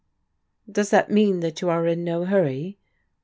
"Does that mean that you are in no hurry?